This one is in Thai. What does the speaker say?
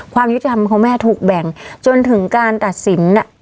ความยุติธรรมของแม่ถูกแบ่งจนถึงการตัดสิน